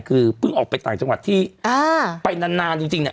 คือเพิ่งออกไปต่างจังหวัดที่ไปนานจริงเนี่ย